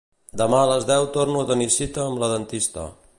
Demà a les deu torno a tenir cita amb la dentista